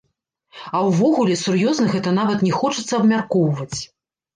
А ўвогуле, сур'ёзна гэта нават не хочацца абмяркоўваць.